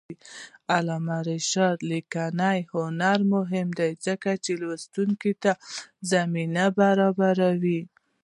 د علامه رشاد لیکنی هنر مهم دی ځکه چې لوستونکي ته زمینه برابروي.